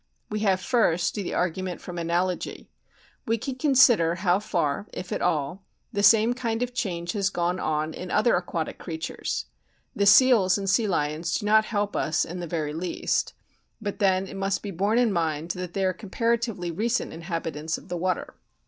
We have first the argument from analogy. We can consider how far, if at all, the same kind of change has gone on in other aquatic creatures. The Seals and Sea lions do not help us in the very least ; but then it must be borne in mind that they are com paratively recent inhabitants of the water.